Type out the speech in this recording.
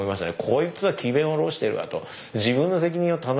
こいつは詭弁を弄してるわと。